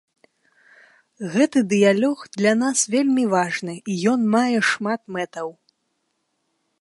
Гэты дыялог для нас вельмі важны, і ён мае шмат мэтаў.